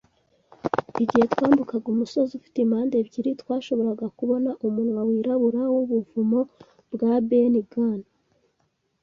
Igihe twambukaga umusozi ufite impande ebyiri, twashoboraga kubona umunwa wirabura wubuvumo bwa Ben Gunn